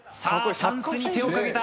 タンスに手をかけた。